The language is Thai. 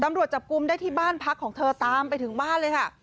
ตำรวจจับกลุ่มได้ที่บ้านพักของเธอตามไปถึงบ้านเลยค่ะ